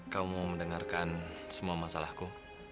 kamu mendengarkan semua masalahku